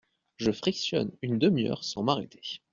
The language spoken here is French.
Je frictionne une demi-heure sans m’arrêter…